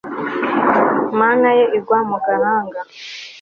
mane ye igwa mu gahanga